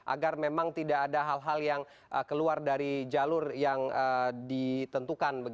agar memang tidak ada hal hal yang keluar dari jalur yang ditentukan